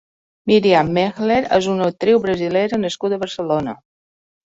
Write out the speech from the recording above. Miriam Mehler és una actriu brasilera nascuda a Barcelona.